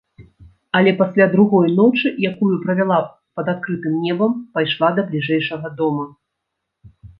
Але пасля другой ночы, якую правяла пад адкрытым небам, пайшла да бліжэйшага дома.